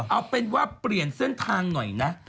เอาเป็นว่าเปลี่ยนเส้นทางหน่อยนะ